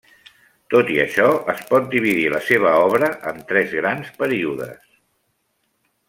Tot i això, es pot dividir la seva obra en tres grans períodes.